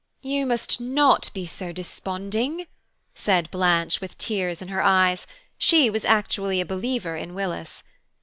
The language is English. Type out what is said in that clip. "You must not be so desponding," said Blanche, with tears in her eyes; she was actually a believer in Willis.